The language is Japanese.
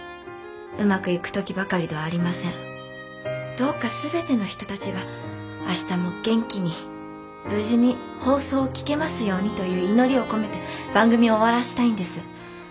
どうか全ての人たちが明日も元気に無事に放送を聞けますようにという祈りを込めて番組を終わらせたいんです。